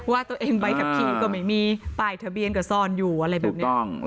ว่าตัวเองใบขับขี่ก็ไม่มีป้ายทะเบียนก็ซ่อนอยู่อะไรแบบนี้